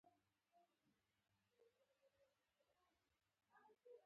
نوموړي له پوځه استعفا وکړه.